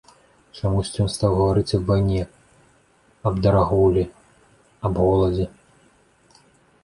Чамусьці ён стаў гаварыць аб вайне, аб дарагоўлі, аб голадзе.